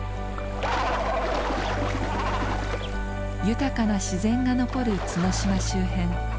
豊かな自然が残る角島周辺。